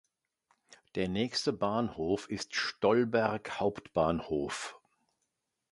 Der nächste Bahnhof ist Stolberg Hbf.